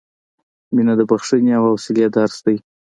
• مینه د بښنې او حوصلې درس دی.